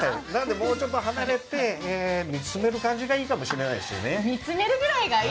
もうちょっと離れて見つめる感じがいいかもしれないですね。